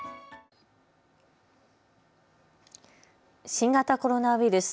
新型コロナウイルス。